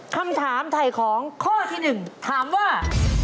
คำถามถ่ายของข้อที่หนึ่งถามว่า